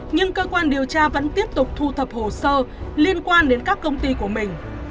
nhưng cơ quan điều tra vẫn tiếp tục thu thập hồ sơ liên quan đến các công ty của mình